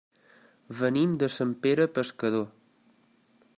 Venim de Sant Pere Pescador.